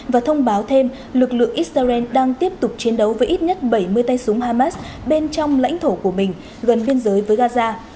và thông báo thêm lực lượng israel đang tiếp tục chiến đấu với ít nhất bảy mươi tay súng hamas bên trong lãnh thổ của mình gần biên giới với gaza